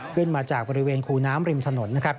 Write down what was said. ขึ้นมาจากบริเวณคู่น้ำริมถนน